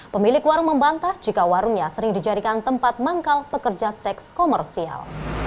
pemilik warung membantah jika warungnya sering dijadikan tempat manggal pekerja seks komersial